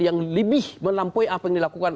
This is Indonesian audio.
yang lebih melampaui apa yang dilakukan